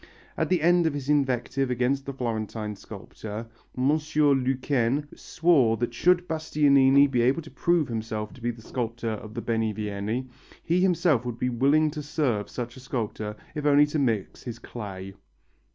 At the end of his invective against the Florentine sculptor, M. Lequesne swore that should Bastianini be able to prove himself to be the sculptor of the Benivieni, he himself would be willing to serve such a sculptor, if only to mix his clay.